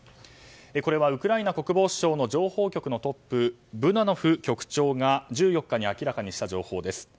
これはウクライナ国防省の情報局のトップブダノフ局長が１４日に明らかにした情報です。